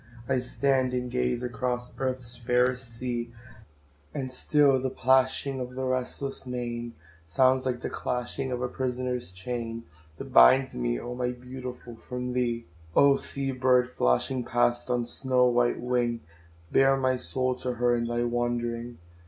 I stand and gaze across Earth's fairest sea, And still the plashing of the restless main, Sounds like the clashing of a prisoner's chain, That binds me, oh! my Beautiful, from thee. Oh! sea bird, flashing past on snow white wing, Bear my soul to her in thy wandering.